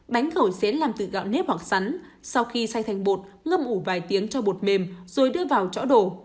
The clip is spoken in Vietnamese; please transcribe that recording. bánh khẩu xén làm từ gạo nếp hoặc sắn sau khi xay thành bột ngâm ủ vài tiếng cho bột mềm rồi đưa vào chỗ đổ